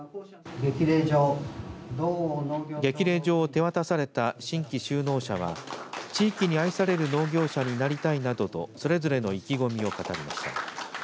激励状を手渡された新規就農者は地域に愛される農業者になりたいなどと、それぞれの意気込みを語りました。